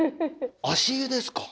足湯ですか？